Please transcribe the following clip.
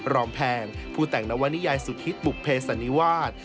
รอมแพงผู้แต่งนัววันนิยายสุธิศบุคเพศศนิวาส